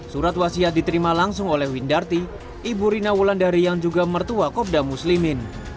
surat wasiat diterima langsung oleh windarti ibu rina wulandari yang juga mertua kopda muslimin